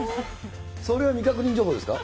それは未確認情報ですか。